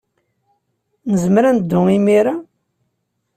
Nezmer ad neddu imir-a?